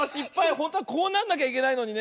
ほんとはこうなんなきゃいけないのにね。